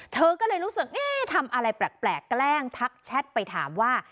เธอก็เลยรู้สึกเอ๊ะทำอะไรแปลกแกล้งทักแชทไปถามว่า